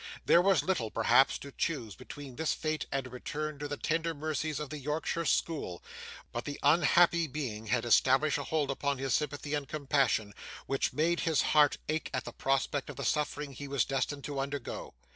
There was little, perhaps, to choose between this fate and a return to the tender mercies of the Yorkshire school; but the unhappy being had established a hold upon his sympathy and compassion, which made his heart ache at the prospect of the suffering he was destined to undergo.